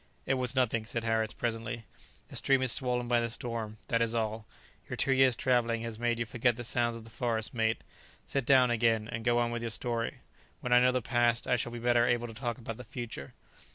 "It was nothing," said Harris presently; "the stream is swollen by the storm, that is all; your two years' travelling has made you forget the sounds of the forest, mate. Sit down again, and go on with your story. When I know the past, I shall be better able to talk about the future."